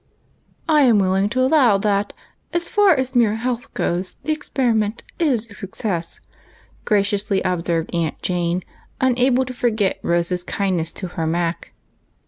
"I am willing to allow that, as far as mere health goes, the experiment is a success," graciously ob served Aunt Jane, unable to forget Rose's kindness to her Mac.